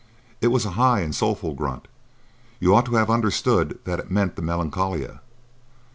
"It was a high and soulful grunt. You ought to have understood that it meant the Melancolia."